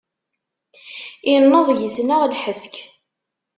Inneḍ yis-neɣ lḥesk.